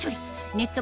ネット